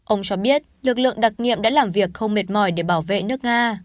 ông cho biết lực lượng đặc nhiệm đã làm việc không mệt mỏi để bảo vệ nước nga